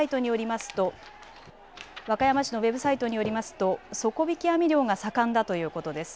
和歌山市のウェブサイトによりますと底引き網漁が盛んだということです。